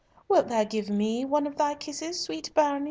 Wilt thou give me one of thy kisses, sweet bairnie?"